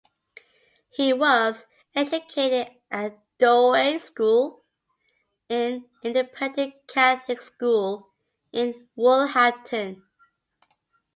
He was educated at Douai School, an independent Catholic school in Woolhampton.